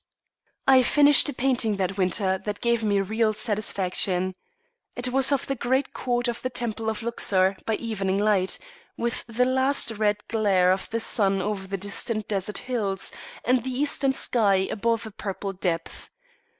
I finished a painting that winter that gave me real satisfaction. It was of the great court of the temple of Luxor by evening light, with the last red glare of the sun over the distant desert hills, and the eastern sky above of a purple depth.